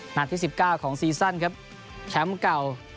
หันที่๑๙ของซีซ่อนแชมป์เก่า